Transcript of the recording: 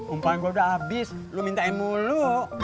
umpan gua udah habis lu minta emu lu